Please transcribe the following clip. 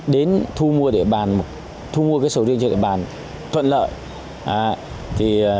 đến thu mua sầu riêng cho địa bàn thuận lợi